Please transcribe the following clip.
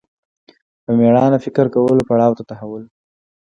په مېړانه فکر کولو پړاو ته تحول